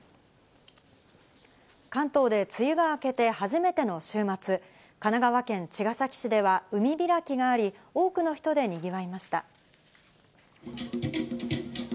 関東で梅雨が明けて初めての週末、神奈川県茅ヶ崎市では海開きがあり、多くの人でにぎわいました。